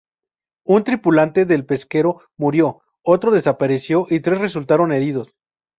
Un tripulante del pesquero murió, otro desapareció y tres resultaron heridos.